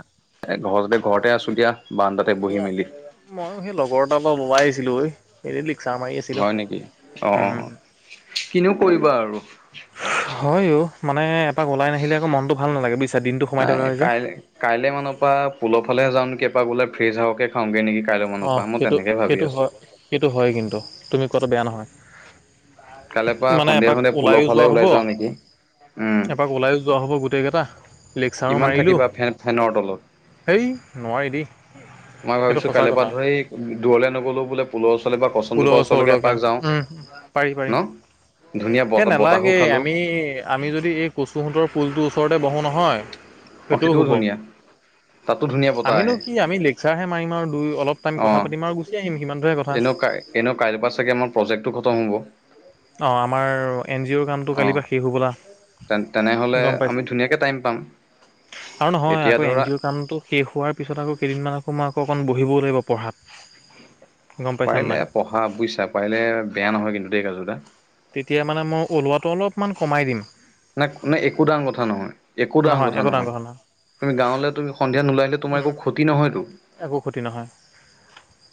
এ ঘৰততে ঘৰতে আছো দিয়া বান্দাতে ম বহি মেলি। ময়ো সেই লগৰ এটাৰ পৰা ওলাই আহিছিলোঁ ঐ। এনেই লিকচাৰ মাৰি আছিলোঁ। হয় নেকি? অ অ উম অ কিনোও কৰিবা আৰু। হয় ও মানে এপাক ওলাই নাহিলে আকৌ মনতটো ভাল নালাগে বুজিছা। দিনটো সোমাই থকা হয় যে। কাইলৈ মানৰ পৰা পুলৰফালে যাওঁ নেকি এপাক ওলাই ফ্ৰিজ হাৱকে খাওঁগে নেকি কাইলৈ অ মনত পৰা, মই সেইটো তেনেকে ভাবি সেইটো আছো। হয় সেইটো হয় কিন্তু তুমি কোৱাটো বেয়া নহয়। কাইলৈ পৰা মানে সন্ধিয়া এপাক সন্ধিয়া পুলৰ ওলাও ফালে যোৱা হ'ব ওলাই যাওঁ নেকি উম এপাক ওলাইও যোৱা হ'ব গোটেইকেইটা লেকসাৰো কিমান মাৰিলোঁ থাকিবা ফেন ফেনৰ তলত সেই নোৱাৰি দেই। মই সেইটো ভাবিছো সঁচা কালইৰ পৰা কথা ধৰি এই দূৰলে নগ'লো বোলে পুলৰ ওচৰলৈ বা কষ্ট পুলৰ ওচৰ লগা উম উম পাৰি পাৰি। ন ধুনীয়া এ বতাহ বতাহো নালাগে খালো আমি আমি যদি এই কচুহঁতৰ পুলটোৰ ওচৰতে বহোঁ নহয় অ সেইটোও ধুনীয়া। তাতো ধুনীয়া বতাহ আমিনো আহে কি আমি লেকচাৰহে মাৰিম আৰু দুই অলপ টাইম কথা অ পাতিম আৰু গুচি আহিম সিমানটো হে কথা। এনেও কাই এনেও কাইলৈৰ পৰা চাগৈ আমাৰ প্ৰজেক্টটো খতম হ'ব। অ আমাৰ এন জি অ'ৰ কামটো কালিৰ পৰা শেষ হ'বলা। তে-তেনেহ'লে গম আমি পাইছা। ধুনীয়াকে টাইম পাম। আৰু নহয় এতিয়া আকৌ এন ধৰা জি অ'ৰ কামটো শেষ হোৱাৰ পিছত আকৌ কেইদিনমান আকৌ মই আকৌ অকণ বহিবও লাগিব পঢ়াত। গম পাইছা পাৰিলে নাই পঢ়া বুজিছা পাৰিলে বেয়া নহয় কিন্তু দেই কাজু দা তেতিয়া মানে মই ওলোৱাটো অলপমান কমাই দিম। নাই নে একো ডাঙৰ কথা নহয়, একো ডাঙৰ কথা নহয়। তুমি গাঁৱলৈ তুমি সন্ধিয়া ওলাই নলালে তোমাৰ উম, একো ক্ষতি নহয়তো। একো ক্ষতি নহয়।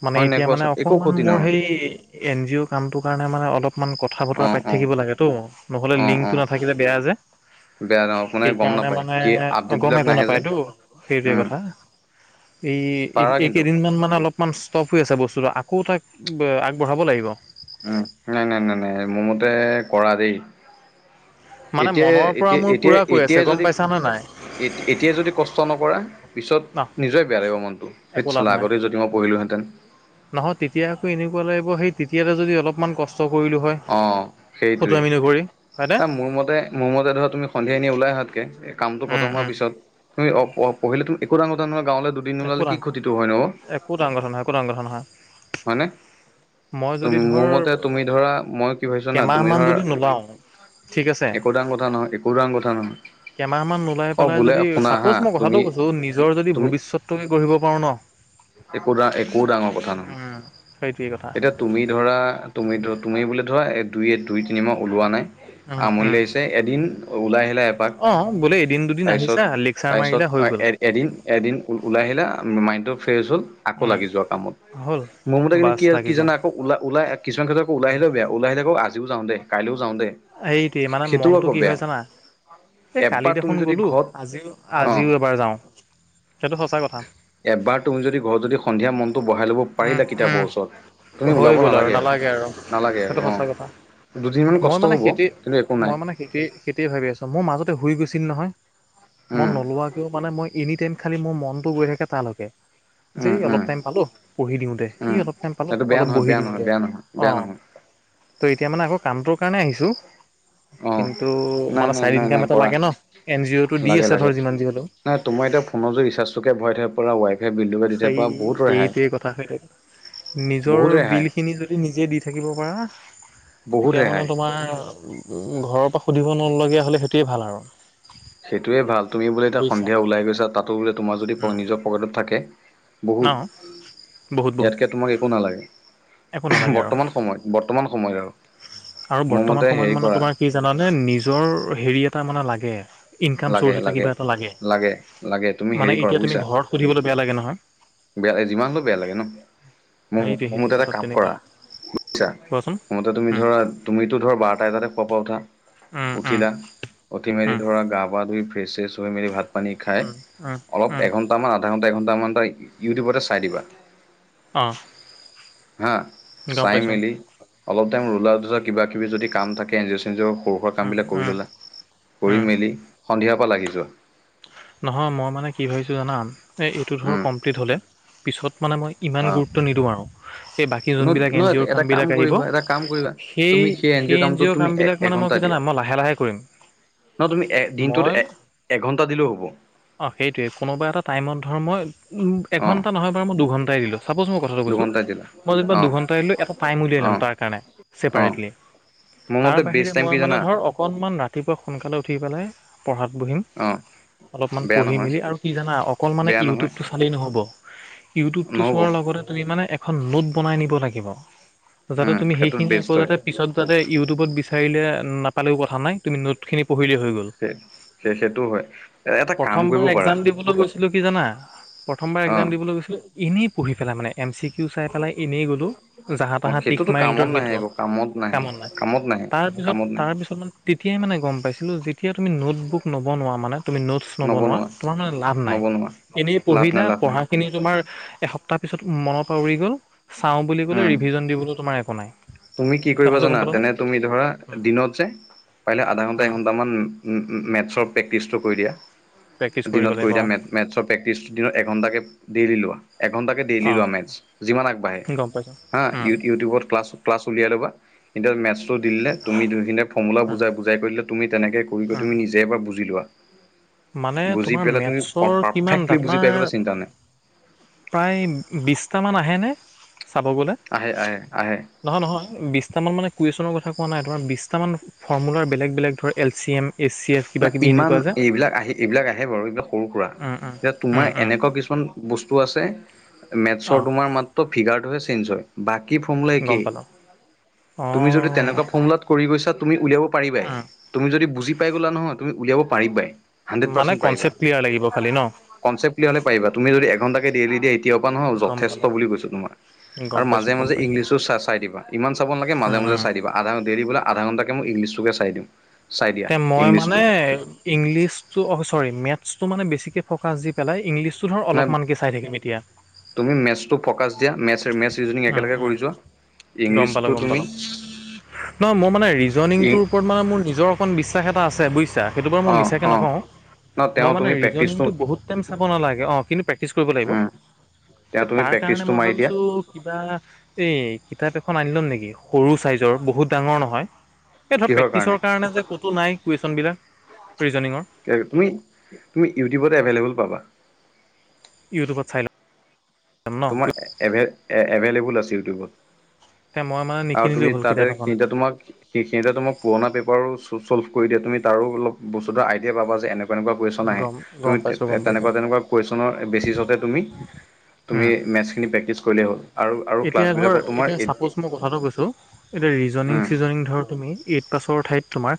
মানে হয় নাই এতিয়া মানে কোৱাচোন একো অকমান ক্ষতি মোৰ নহয় সেই এন জি ৰ কামটো কাৰণে মানে অলপমান কথা বতৰা অঁ পাতি অঁ থাকিব লাগেতো। নহ'লে অঁ অঁ লিংকটো নাথাকিলে বেয়া যে। বেয়া ন মানে গম সেইকাৰণে নাপায় মানে কি গম আপডেটবিলাক একো নাহে যে নাপায়তো সেইটোৱে উম কথা। এই পাৰা কিন্তু এইকেইদিনমান মানে অলপমান ষ্টপ হৈ আছে বস্তুটো। আকৌ তাক আগবঢ়াব লাগিব। উম নাই-নাই-নাই-নাই মোৰ মতে কৰা দেই। মানে মনৰ পৰা মোৰ পুৰা কৈ আছে এতিয়াই-এতিয়া-এতিয়াই-এতিয়াই গম যদি পাইছানে নাই এতিয়াই যদি কষ্ট নকৰা ন পিছত নিজৰে বেয়া লাগিব মনটো, ধেত একো লাভ চালা নাই। আগতেই যদি মই পঢ়িলোহেঁতেন। নহয়, তেতিয়া আকৌ এনেকুৱা লাগিব সেই তেতিয়া যদি অলমান কষ্ট কষ্ট কৰিলোঁ হয়, অঁ সেইটোৱেই ফটোৱামি নকৰি হয়নে? মোৰ মতে, মোৰ মতে ধৰা তুমি সন্ধিয়া এনে ওলাই আহাতকে কামটো খতম উম হোৱাৰ উম পিছত তুমি অহ-অহ, পঢ়িলেতো একো ডাঙৰ কথা নহয় গাঁৱলে দুদিন একো ওলালে কি ডাঙৰ, ক্ষতিটো হয় ন অ একো ডাঙৰ কথা নহয়, একো ডাঙৰ নহয়। মানে? মই যদি মোৰ ধৰ মতে তুমি ধৰা, মই কি ভাবিছোঁ জনা? তুমি কেমাহমান ধৰা যদি নোলাওঁ ঠিক আছে একো ডাঙৰ কথা নহয়, একো ডাঙৰ কথা নহয়। কেইমাহ মান নোলাই অ পেলাই বোলে যদি শুনা হা চাপ'জ মই তুমি কথাটো কৈছোঁ নিজৰ যদি ভৱিষ্যতটে গঢ়িব পাৰোঁ ন'। একো-একো ডাঙৰ কথা নহয়। উম সেইটোৱে কথা এতিয়া তুমি ধৰা, তুমি ধ' তুমি বোলে ধৰা এ দুই-দুই তিনিমাহ ওলোৱা নাই, উম আমনি উম লাগিছে এদিন ওলাই আহি আহিলা এপাক, অ', বোলে এদিন দুদিন আহিছা লেকচাৰ তাৰপিছত-তাৰপিছত মাৰিলা হৈ গ'ল এদিন-এদিন ওলাই আহিলা মাইণ্ডটো ফ্ৰেছ হ'ল আকৌ উম, লাগি যোৱা কামত। হ'ল। মোৰ মতে কিন্তু বাছ লাগি কি-কি যোৱা, জান আকৌ ওলাই-ওলাই অহ, কিছুমান ক্ষেত্ৰত আকৌ ওলাই আহিলেও বেয়া। ওলাই আহিলে আকৌ আজিও যাওঁ দে, কাইলৈও যাওঁ দে। এই তে মানে সেইটোও মনটো আকৌ কি বেয়া হয় জানা? এই কালি এবাৰ তুমি দেখোন যদি গ'লোঁ, ঘৰত অ আজিও-আজিও এবাৰ যাওঁ, সেইটো সঁচা কথা। এবাৰ তুমি যদি ঘৰত যদি সন্ধিয়া মনটো বহাই ল'ব উম, পাৰিলা উম, কিতাপৰ ওচৰত, তুমি হৈ ওলাব গ'ল আৰু নালাগে আৰু নালাগে সেইটো আৰু সঁচা কথা। অহ। দুদিনমান কষ্ট হ'ব কিন্তু একো নাই। কেতিয়াই ভাবি আছোঁ, মোৰ মাজতে হুই গৈছিল নহয়। মই উম, নোলোৱা মোৰ মানে মই এনি টাইম খালী মোৰ মনটো গৈ থাকে তালৈকে, যে উম, অলপ উম, টাইম পালোঁ। পঢ়ি দিওঁ দে, সেই উম, অলপ টাইম পালোঁ সেইটো বেয়া অলপ নহয়, বহি বেয়া দিওঁ নহয়, দে, বেয়া নহয়, বেয়া অহ। নহয়। ত' এতিয়া মানে আকৌ কামটোৰ কাৰণে আহিছোঁ। অ', কিন্তু নাই, মানে নাই, চাইড নাই, ইনকাম নাই এটা কৰা লাগে ন' এন জি অ'টো দি লাগে, আছে ধৰ লাগে। যিমান যি হ'লেও। নাই তোমাৰ এতিয়া ফোনো ৰিচাৰ্জটোকে ভৰাই থাকিব পৰা ৱাই সেই বিলটোকে দি থাকিব পাৰা বহুত ৰেহাই। সেই-সেইটোৱে কথা হয় নহয়, নিজৰ বহুত ৰেহাই, বিলখিনি যদি নিজে দি থাকিব পাৰা, বহুত তেতিয়া মানে ৰেহাই তোমাৰ উম, ঘৰৰ পৰা সুধিব নলগীয়া হ'লে সেইটোৱে ভাল আৰু। সেইটোৱে ভাল তুমি বোলে এতিয়া বুজিছা সন্ধিয়া ওলাই গৈছা তাতো বোলে তোমাৰ যদি নিজৰ পকেটত থাকে। ন বহুত বহুত বহুত ইয়াতকে তোমাক একো নালাগে। একো নালাগে আৰু বৰ্তমান সময়ত, বৰ্তমান সময়তৰ আৰু বৰ্তমান সময়ত মানে তোমাৰ কি জানানে, নিজৰ হেৰি এটা মানে লাগে। ইনকাম চৰ্চ এটা কিবা এটা লাগে। লাগে তুমি মানে হেৰি কৰা এতিয়া তুমি বুজিছা ঘৰত সুধিবলৈ বেয়া লাগে নহয় বেয়া লাগে, যিমান হ'লে বেয়া লাগে ন'। সেইটোৱে মোৰ-মোৰ সেইটোৱে মতে এটা কথাত কাম তেনেকুৱা কৰা। বুজছা, কোৱাচোন মোৰ মতে তুমি উম ধৰা তুমিতো ধৰা বাৰটা এটাতে সুৱাৰ পৰা উঠা। উম উম উঠিলা, উঠি মেলি উম ধৰা গা পা ধুই ফ্ৰেচ-চেছ হৈ মেলি ভাত পানী খায়, উম, উম, অলপ উম, এঘণ্টামান আধা ঘণ্টা, এঘণ্টামান তই ইউটিউবতে চাই দিবা। অহ। হা! চাই মেলি অলপ টাইম লোলা যোজা কিব কিবি যদি কাম থাকে এঞ্জজিঅ'-চেঞ্জজিঅ' সৰু সুৰা উম, কামবিলাক কৰি উম, ল'লা, কৰি উম, মেলি সন্ধিয়াৰ পৰা লাগি যোৱা। নহয় মই মানে কি ভাবিছোঁ জানা এইটো ধৰ উম কমপ্লিট হ'লে পিছত মানে মই ইমান অ'। গুৰুত্ব নিদিওঁ আৰু সেই বাকী যোনবিলাক এন নহয় জি অ'ৰ এটা কাম কামবিলাক আহিব কৰিবা এটা কাম কৰিবা তুমি সেই সেই অ' এন জি কামটোত অ'ৰ তুমি কামবিলাক মানে মই কি জানা মই লাহে লাহে কৰিম। নহ তুমি এ দিনটোত এ এঘণ্টা দিলেও হ'ব। অঁ সেইটোৱেই কোনোবা এটা টাইমত ধৰ মই অঁ এঘণ্টা নহয় বাৰু মই দুঘণ্টাই দিলোঁ ছাপ'জ মই কথাটো কৈছোঁ দুঘন্টা দিলা মই যেনিবা অঁ দুঘণ্টা আহিলো এটা টাইম উলিয়াই লম অঁ তাৰ কাৰণে অঁ চেপাৰেটলি। মোৰ তাৰ মতে বেষ্ট বাহিৰে টাইম মই কি জানা মানে ধৰ অকণমান ৰাতিপুৱা সোনকালে উঠি পেলাই পঢ়াত বহিম। অঁ। অলপমান বেয়া পঢ়ি নহয় মেলি আৰু কি জানা অকল মানে বেয়া নহয় ইউটিউবটো চালেই নহ'ব। ইউটিউবটো নহ'ব চোৱাৰ লগতে তুমি মানে এ খন নোট বনাই নিব লাগিব, যাতে উম তুমি সেইটোত সেইখিনি বেষ্ট আকৌ হয় যাতে পিছত যাতে ইউটিউবত বিচাৰিলে নাপালেও কথা নাই তুমি নোটখিনি পঢ়িলেই হৈ গ'ল। সেইটো হয়। এটা কাম কৰিব প্ৰথমবাৰ পাৰা একজাম দিবলৈ গৈছিলো কি জানা প্ৰথমবাৰ একজাম অঁ দিবলৈ গৈছিলোঁ এনেই পঢ়ি পেলাই মানে এম চি কিউ চাই পেলাই এনেই গ'লোঁ, জাহা অঁ তাঁহা টিক সেইটোতো মাৰিলো কামত নাহে সেইটো একো নাহে কামত নাই। নাহে তাৰ পিছত কামত নাহে তাৰ পিছত মানে তেতিয়াই মানে গম পাইছিলো যেতিয়া তুমি নোট বুক নবনোৱা মানে তু মি নোটচ নবনোৱা তোমাৰ মানে লাভ নাই। নবনোৱা এনে লাভ পঢ়িলা নাই লাভ নাই পঢ়া খিনি তোমাৰ এসপ্তাহ পিছত মনৰ পৰা উৰি গ'ল, চাওঁ বুলি ক'লো উম ৰিভিজন দিবলৈ তোমাৰ একো নাই। তুমি কি কৰিবা কথাটো গম জানা পালা নে তেনে তুমি ধৰা দিনত যে পাৰিলে আধা ঘন্টা উম এঘন্টামান মেথছৰ প্ৰেক্টিচটো কৰি দিয়া প্ৰেক্টিচ কৰিব দিনত কৰি লাগিব অ দিয়া মে মেথছৰ প্ৰেক্টিছ দিনত এঘণ্টাকৈ ডেইলি লোৱা। এঘণ্টাকৈ ডেইলি অ লোৱা মেটছ যিমান আগবাঢ়ে গম পাইছোঁ হা উম ইউ ইউটিউবত ক্লাছ ক্লাছ উলিয়াই ল'বা। এতিয়া মেথছটো দি দিলে তুমি ত' সেইখিনি ফৰ্মুলাুঅ উম বুজাই বুজাই কৰি দিলে তুমি তেনেকৈ কৰি উম তুমি উম নিজে এবাৰ বুজি লোৱা। মানে বুজি তোমাৰ পেলাই তুমি মেথছৰ পাৰফেক্টলি কিমানটা বুজি পাই গ'লে তোমাৰ চিন্তা নাই প্ৰায় বিছটামান আহেনে চাব গ'লে? আহে আহে আহে। নহয় নহয় বিছটামান মানে কুৱেশ্যনৰ কথা কোৱা নাই তোমাৰ বিছটামান ফৰ্মুলাৰ বেলেগ বেলেগ ধৰক L C M S C F কিবা মানে কিবি ইমান এনেকুৱা যে এইবিলাক আহি এইবিলাক আহে বাৰু এইবিলাক সৰু সুৰা উম এতিয়া উম তোমাৰ উম উম এনেকুৱা কিছুমান বস্তু আছে মেথছৰ অঁ তোমাৰ মাত্ৰ ফিগাৰটোহে চেঞ্জ হয়। বাকী ফৰ্মুলা গম একেই, পালোঁ তুমি যদি অঁ তেনেকুৱা ফৰ্মুলাত কৰি গৈছা তুমি উলিয়াব পাৰিবাই উম তুমি যদি বুজি পাই গলা নহয় তুমি উলিয়াব পাৰিবাই। হাণ্ড্ৰেড মানে পাৰ্চেণ্ট পাৰিবা। কনচেপ্ট ক্লিয়াৰ লাগিব খালি ন? কনচেপ্ট ক্লিয়াৰল হলে পাৰিবা তুমি যদি এঘণ্টাকে দেইলি দি এতিয়াৰ পৰা ন' গম পালোঁ যথেষ্ট বুলি কৈছো তোমাৰ। গম আৰু মাজে পাইছোঁ গম মাজে পাইছোঁ ইংলিছো চ চাই দিবা, ইমান চাব নালাগে মাজে মাজে উম চাই দিবা। আধা দেইলি বোলে আধাঘণ্টাকে মই ইংলিছটোকে চাই দিও। তে মই মানে ইংলিছটো চৰি মেথছটো মানে বেছিকে ফ'কাছ দি পেলাই ইংলি ছো ধৰ নাই অলপমানকে চাই থাকিম এতিয়া। তুমি মেথছটো ফ'কাছ দিয়া মেথছ মেথছ ৰিজনিং উম একেলগে উম কৰি যোৱা। ইংলিছটো তুমি নহ মোৰ মানে ই ৰিজনিংটোৰ ওপৰত মানে মোৰ নিজৰ বিশ্বাস এটা আছে বুজিছা সেইটো মানে মই অ' মিছাকে অ' নকওঁ, ন মই তেওঁ মানে তুমি প্ৰেক্টিচটো ৰেচনিংটো ব হুত টাইম চাব নালাগে, অঁ কিন্তু প্ৰেক্টিছ কৰিব লাগিব। তেওঁ এই তুমি তাৰ কাৰণে প্ৰেক্টিচটো মই মাৰি দিয়া ভাবিছোঁ কিবা এই কিতাপ এখন আনি ল'ম নেকি সৰু চাইজৰ বহুত ডাঙৰ নহয়। এই ধৰ প্ৰেক্টিচৰ কাৰণে যে ক'তো নাই কুৱেশচন বিলাক ৰিজনিঙৰ। তুমি তুমি ইউটিউবতে এভেইলেবল পাবা। ইউটিবত চাই লম। ন তোমাৰ এভে এভেইলেবল আছে ইউটিউবত। এতিয়া মই মানে আৰু তুমি নিকিনিলেও হ'ল তাতে কিতাপ এখন কেইটা তোমাক। সেইখিনতে তোমাক পুৰণা পেপাৰো চ চলভ কৰি দিয়া তুমি তোলপ বস্তু আইডিয়া পাবা যে এনে- বা তেনেকুৱা কুৱেশ্যন আহে গম গম তুমি পাইছোঁ গম পাইছোঁ তেনেকুৱা তেনেকুৱা কুৱেশ্যনৰ বেছিজতে তুমি- তুমি উম মেটছখিনি প্ৰেকটিছ কৰিলে হ'ল। আৰু আৰু এতিয়া ধৰ ক্লাছবিলাকত তোমাৰ এতিয়া চাপ'জ মই কথাটো কৈছোঁ এতিয়া ৰিজনিং উম চিজনিং ধৰ তুমি- এইট পাছৰ ঠাইত তোমাৰ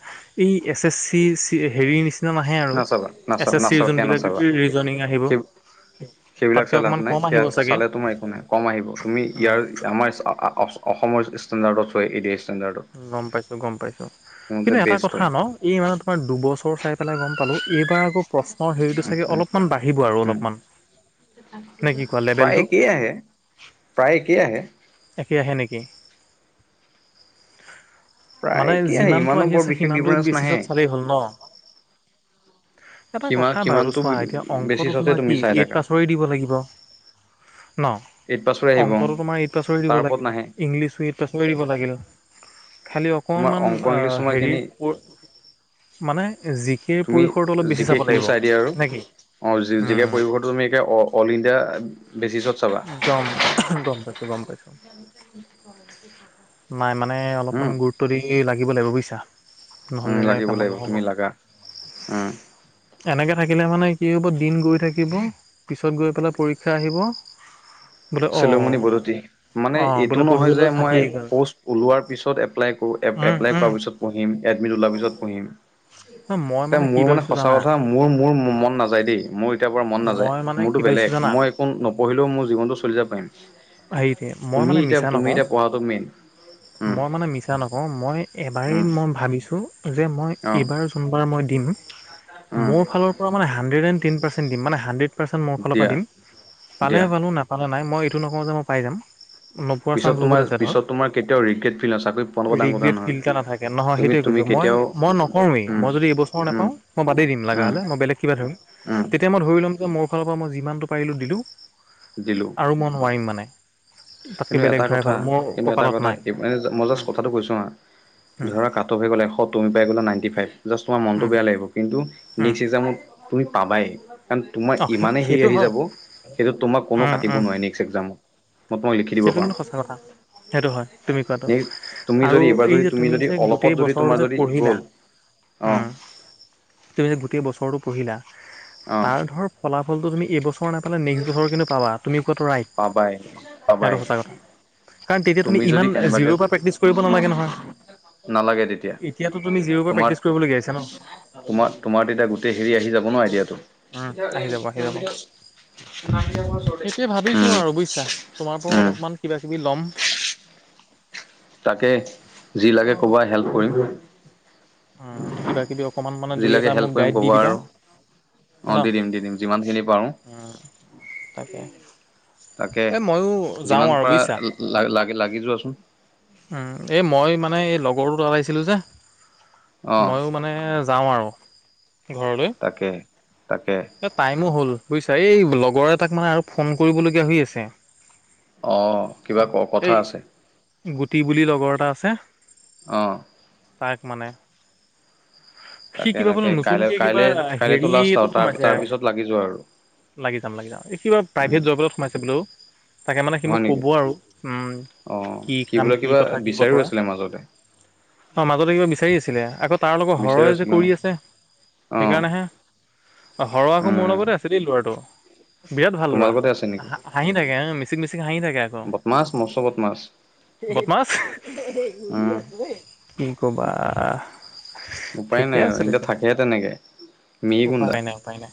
এই এছ এছ চি চি- হেৰি নিচিনা নাহে আৰু নাচাবা এছ নাচা এছ চিৰ নাচাবা সেয়া যোনবিলাক নাচাবা ৰিজনং আহিব। সেই সেইবিলাক তাতকে চাই লাভ অকমান নাই কম সেয়া আহিব চাগে চালে তোমাৰ একো নাই। কম আহিব তুমি উম ইয়াৰ আমাৰ অসমৰ ষ্টেণ্ডাৰ্ডত চোৱা এডিয়াৰি ষ্টেণ্ডাৰ্ডত। গম পাইছোঁ গম পাইছোঁ মতে কিন্তু এটা বেষ্ট কথা হয় ন। এই মানৰ তোমাৰ দুবছৰ চাই পেলাই গম পালোঁ এইবাৰ আকৌ- প্ৰশ্নৰ হেৰিটো উম, চাগে উম, অলপমান বাঢ়িব আৰু উম। অলপমান। নে কি কোৱা প্ৰায় লেভেলটো একেই আহে, প্ৰায় একেই আহে। একে আহে নেকি? প্ৰায় মানে একেই আহে যিমানটো ইমানো আহি বৰ আছে বিশেষ সিমানটো ডিফাৰেঞ্চ নাহে বেচিছত চালেই হ'ল ন। এটা সিমান কথা বাৰু সিমানটো চোৱা এতিয়া অংকটো বেচিছতে তোমাৰ তুমি কি চাই এইট থাকা পাছৰেই দিব লাগিব। ন এইট পাছৰে আহিব অংকটো তোমাৰ এইট পাছৰে দিব তাৰ ওপৰত লাগিল নাহে ইংলিছো এইট- পাছৰে লাগিল খালী তোমাৰ অকণমান অংক ইংলিছ হেৰি তোমাৰখিনি পৰ- মানে জিকিৰ তুমি পৰিসৰটো অলপ বেছি জিকে চাব খিনি লাগিব চাই দিয়া আৰু নেকি। অ' জিকে পৰিৱেটো এতিয়া তুমি অল ইণ্ডিয়া বেচিছত চাবা। গম গম পাইছো গম পাইছো। [unintelligible] নাই মানে অলপমান হম গুৰুত্ব দি লাগিব লাগিব বুজিছা? উম নহ'লে লাগিব কামত লাগিব নহ'ব! তুমি লাগা উম এনেকে থাকিলে মানে কি হ'ব দিন গৈ থাকিব! পিছত গৈ পেলাই পৰীক্ষা আহিব! বোলে অ চেলোমনি বদোতি মানে, অ এইটো বোলে নহয় যে পঢ়িবলৈ মই থাকিয়েই গ'ল পষ্ট- ওলোৱাৰ পিছত এপ্লাই কৰো উম এপ্লাই উম কৰাৰ পিছত পঢ়িম এডমিট ওলোৱাৰ পিছত পঢ়িম? ন মই তে কি মোৰ মানে ভাবিছো সঁচা জানা কথা মোৰ মোৰ মন নাযায় দেই মই- কেতিয়াৰ পৰা মন মই নাযায় মানে মোৰতো কি ভাবিছো বেলেগ জানা মই একো নপঢ়িলেও মোৰ জীৱনটো চলি যাব পাৰিম। হেৰি মই তুমি মানে এতিয়া মিছা তুমি নকওঁ! এতিয়া পঢ়াটো মেইন উম মই মানে মিছা নকওঁ মই এবাৰেই উম মই ভাবিছোঁ যে মই অ এইবাৰ যোনবাৰ মই দিম, উম মোৰ ফালৰ পৰা মানে হাণ্ড্ৰেড এণ্ড টেন পাৰ্চেণ্ট দি মানে হাণ্ড্ৰেড পাৰ্চেণ্ট মোৰ ফালৰ পৰা দিয়া দিম পালে দিয়া পালো নাপালেই নায়। নেপালো নাই মই এইটো নকওঁ যে মই পাই যাম। নোপোৱাৰ পিছত চানস বহুত তোমাৰ আছে ধৰ পিছত তোমাৰ কেতিয়াও ৰিগ্ৰেট ফিল নহয় চাকৰি পোৱা নোপোৱা ডাঙৰ কথা ৰিগ্ৰেট নহয় ফিল্ এটা নাথাকে। নহয় তুমি সেইটোৱে তুমি কৈছঁ কেতিয়াও মই নকৰোৱেই উম মই যদি এইবছৰ উম নাপাওঁ মই বাদেই দিম লগা উম হ'লে মই বেলেগ কিবা ধৰিম। উম তেতিয়া মই ধৰি ল'ম যে মোৰ ফালৰ পৰা মই যিমানটো পাৰিলোঁ দিলোঁ দিলোঁ আৰু মই নোৱাৰিম মানে। তাতকৈ কিন্তু বেলেগ এটা ধৰাই কথা ভাল মোৰ কিন্তু এটা কপালত কথা নাই এইবাৰে মই জাষ্ট কথাটো কৈছো হা। ধৰা কাট অফ হৈ গ'ল এশ তুমি পাই গ'লা নাইনটি ফাইভ জাষ্ট তোমা মনটো বেয়া লাগিব কিন্তু নেক্স এক্সামত- তুমি পাবাই কাৰণ তোমাৰ অঁ সেই ইমানেই হেৰি সেইটো আহি হয় যাব সেইটো তোমাক কোনো কাটিব নোৱাৰে নেকি। একজাম হবই হেইটো কিন্তু সঁচা কথা! সেইটো হয় তুমি কোৱাটো নেক্সট তুমি আৰু যদি এইবাৰ এই যদি যে তুমি যদি যে অলপত গোটেই যদি বছৰটো তোমাৰ যে যদি পঢ়িলা গ'ল অঁ উম, তুমি যে গোটেই বছৰটো পঢ়িলা অঁ তাৰ ধৰ ফলাফলটো তুমি এইবছ ছৰ নাপালে নেষ্ট বছৰ কিন্তু পাবা তুমি কোৱাটো ৰাইট অঁ পায়! সেইটো সঁচা কথা কাৰণ তেতিয়া তুমি যদি ইমান কেনেবাকে জিৰ' পা প্ৰেক্টিছ কৰিব নালাগে নহয়, নালাগে তেতিয়া এতিয়াতো তুমি জিৰ'ৰ পৰা তোমাৰ প্ৰেক্টিচ কৰিবলগীয়া হৈছে ন তোমা তোমাৰ তেতিয়া গোটেই হেৰি আহি যাব ন আইডিয়া টো উম আহি যাব আহি যাব। ওচৰতে সেইটোৱে ভাবিছোঁ উম আৰু বুজিছা তোমাৰ পৰাও উম অলপমান কিবা কিবি ল'ম! তাকে যি লাগে ক'বা হেল্প কৰিম! অ কিবা কিবি অকণমান মানে যি দুই লাগে এটা হেল্প মোক কৰিম গাইড দি ক'বা দিবা আৰু অ ন দি দিম দি দিম যিমান খিনি পাৰো উম তাকে এই মইয়ো যাওঁ আৰু বুইছা লা লাগে লাগি যোৱাচোন উম এই মই মানে এই লগৰটোৰ তাত আহিছিলো যে অ মইয়ো মানে যাওঁ আৰু ঘৰলৈ তাকে তাকে এই টাইমো হ'ল বুইছা এই লগৰ এটাক মানে আৰু ফোন কৰিবলগীয়া হৈ আছে অঁ কিবা ক কথা এই আছে গুটি বুলি লগৰ এটা আছে অ তাইক মানে সি তাকে কিবা তাকে বোলে কাইলৈ নতুনকে কিবা কাইলৈ কাইলৈতো হেৰি লাষ্ট আৰু এটোত তাৰ সোমাইছে তাৰপিছত লাগি যোৱা আৰু লাগি যাম লাগি যাম এই কিবা প্ৰাইভেট উম, জব এটাত সোমাইছে বোলো অ তাকে মানে সি হয় মোক নেকি ক'ব আৰু উম অ কি সি কাম বোলে কি কিবা কথা কি বিচাৰিও বতৰা আছিলে মাজতে অঁ মাজতে কিবা বিচাৰি আছিলে আকৌ তাৰ লগৰ বিচাৰি হৰয়ে যে আছিলে অ কৰি আছে অ' সেইকাৰণেহে অ হ'ৰ আকৌ মোৰ উম লগতে আছে [unintelligible] ল'ৰাটো বিৰাট ভাল ল'ৰা তোমালোকতে আছে নেকি হাঁ হাঁহি থাকে মিচিক মিচিক হাঁহি থাকে আকৌ মাছ মছলত মাছ বদমাছ উম কি কবা উপায় ঠিকে নাই আৰু আছে এতিয়া তেখেত থাকেহে তেনেকে মিহি উপায় গুণ্ডা নাই উপায় নাই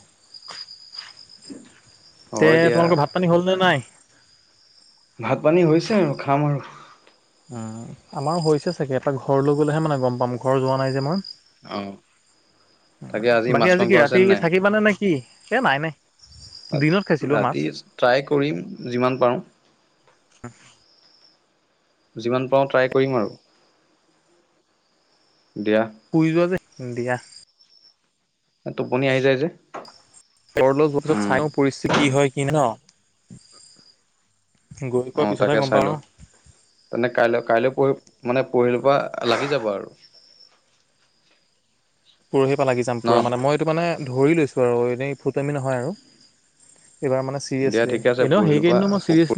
[unintelligible] তে তোমালোকৰ ভাত পানী হ'লনে নাই ভাত পানী হৈছে আৰু খাম আৰু উম আমাৰো হৈছে চাগে এপাক ঘৰলৈ গ'লেহে মানে গম পাম ঘৰ যোৱা নাই যে মই অহ অ বাকী আজি কি ৰাতি থাকিবানে নে কি এই নাই নাই দিনত খাইছিলোঁ অ মাছ ৰাতি ট্ৰাই কৰিম যিমান পাৰোঁ যিমান পাওঁ ট্ৰাই কৰিম আৰু দিয়া শুই যোৱা যে দিয়া এ টোপনি আহি যায় যে ঘৰলৈ যোৱাৰ পিছত উম চাই লও পৰিস্থিতি কি হয় কি ন গৈ পোৱাৰ অঁ পিছতহে তাকে গম চাই পাওঁ। লোৱা। মানে কাইলৈ কাইলৈ পৰহি মানে পৰহি পৰা লাগি যাব আৰু। পৰহি পৰা লাগি যাম ন পুৰা, মানে মই টো মানে ধৰি লৈছোঁ আৰু এনেই ফটুৱামী নহয় আৰু এইবাৰ মানে দিয়া চিৰিশ্লি ঠিকে আছে এনে সেই পৰহিলৰ কেই দিনো মই পৰা চিৰিশ্লি